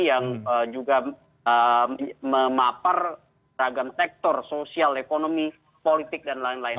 yang juga memapar ragam sektor sosial ekonomi politik dan lain lain